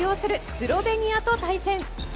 スロベニアと対戦。